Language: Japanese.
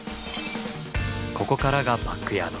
ここからがバックヤード。